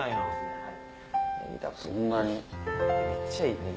はい。